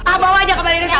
ah bawa aja ke balai desa